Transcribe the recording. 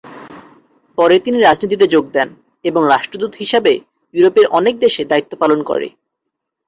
পরে তিনি রাজনীতিতে যোগ দেন এবং রাষ্ট্রদূত হিসাবে ইউরোপের অনেক দেশে দায়িত্ব পালন করে।